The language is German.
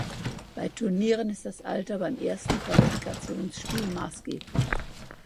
Bei Turnieren ist das Alter beim ersten Qualifikationsspiel maßgeblich.